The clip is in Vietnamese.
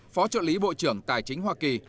phó trợ lý bộ trưởng tài chính hoa kỳ